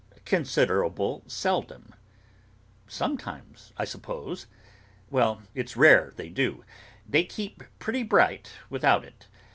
'Considerable seldom.' 'Sometimes, I suppose?' 'Well, it's rare they do. They keep pretty bright without it.